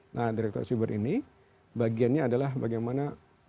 nah direktorat siber ini bagiannya adalah bagaimana memberikan